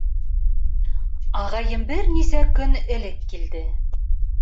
Ағайым бер нисә көн элек килде.